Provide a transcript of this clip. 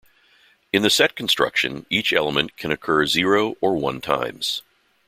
In the set construction, each element can occur zero or one times.